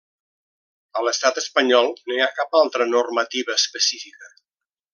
A l'estat espanyol no hi ha cap altra normativa específica.